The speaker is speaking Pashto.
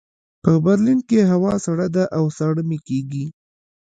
په برلین کې هوا سړه ده او ساړه مې کېږي